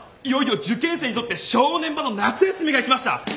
いよいよ受験生にとって正念場の夏休みが来ました。